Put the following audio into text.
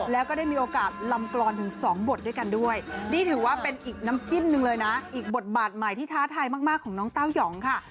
แล้วก็ได้มีโอกาสลำกรอนถึงสองบทด้วยกันด้วยนี่ถือว่าเป็นอีกน้ำจิ้มหนึ่งเลยนะอีกบทบาทใหม่ที่ท้าทายมากของน้องเต้ายองค่ะ